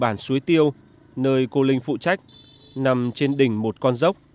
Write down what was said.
bản đường là bản suối tiêu nơi cô linh phụ trách nằm trên đỉnh một con dốc